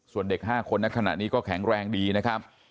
ส่วนเด็ก๕คนในขณะนี้ก็แข็งแรงดีนะครับ